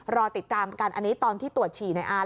รอติดตามกันอันนี้ตอนที่ตรวจฉี่ในอาร์